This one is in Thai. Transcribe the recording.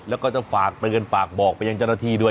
แล้วก็จะฝากเตือนฝากบอกไปยังเจ้าหน้าที่ด้วย